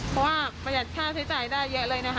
เพราะว่าประหยัดค่าใช้จ่ายได้เยอะเลยนะคะ